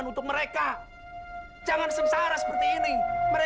kok bisa jatuh beginian